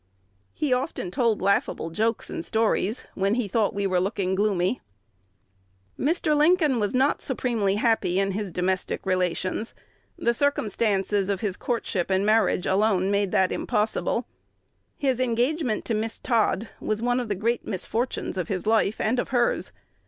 He often told laughable jokes and stories when he thought we were looking gloomy." [Illustration: Mr. Lincoln's Home in Springfield, Ill. 519] Mr. Lincoln was not supremely happy in his domestic relations: the circumstances of his courtship and marriage alone made that impossible. His engagement to Miss Todd was one of the great misfortunes of his life and of hers.